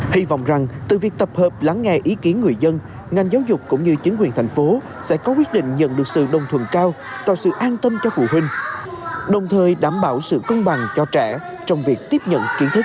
hy vọng rằng từ việc tập hợp lắng nghe ý kiến người dân ngành giáo dục cũng như chính quyền thành phố sẽ có quyết định nhận được sự đồng thuận cao tạo sự an tâm cho phụ huynh đồng thời đảm bảo sự công bằng cho trẻ trong việc tiếp nhận kiến thức